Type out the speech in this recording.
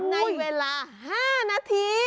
ในเวลา๕นาที